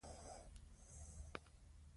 که یو څپیز وای، بم به وای.